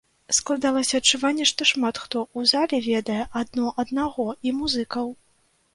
Складалася адчуванне, што шмат хто ў залі ведае адно аднаго і музыкаў.